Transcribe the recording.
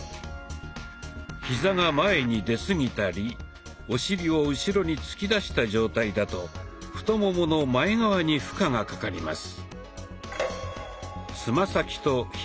ヒザが前に出すぎたりお尻を後ろに突き出した状態だと太ももの前側に負荷がかかります。